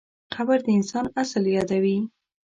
قبر د انسان اصل یادوي.